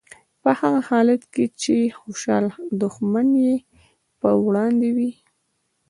په هغه حالت کې چې خوشحاله دښمن یې په وړاندې وي.